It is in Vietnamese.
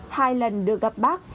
hai lần được gặp bác